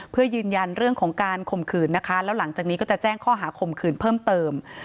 เพื่อยืนยันเรื่องของการข่มขืนนะคะแล้วหลังจากนี้ก็จะแจ้งข้อหาข่มขืนเพิ่มเติม